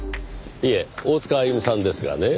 いえ大塚あゆみさんですがね